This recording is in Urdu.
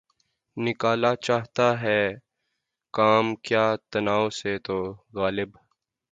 نکالا چاہتا ہے کام کیا طعنوں سے تو؟ غالبؔ!